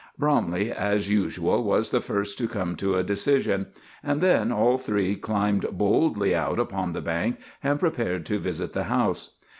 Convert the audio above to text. Bromley, as usual, was the first to come to a decision; and then all three climbed boldly out upon the bank and prepared to visit the house.